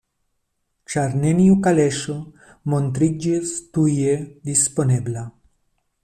Ĉar neniu kaleŝo montriĝis tuje disponebla: